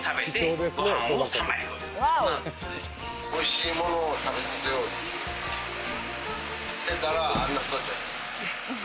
おいしいものを食べさせようとしてたらあんな太っちゃった。